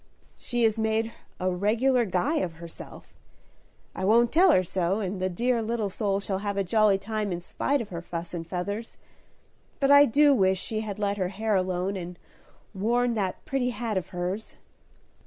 "She has made a regular guy of herself; I won't tell her so, and the dear little soul shall have a jolly time in spite of her fuss and feathers. But I do wish she had let her hair alone and worn that pretty hat of hers."